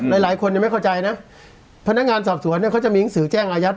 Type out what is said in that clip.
หลายคนยังไม่เข้าใจนะพนักงานสอบสวนเนี่ยเขาจะมีหนังสือแจ้งอายัด